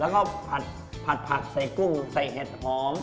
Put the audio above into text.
แล้วก็ผัดผักใส่กุ้งใส่เห็ดหอม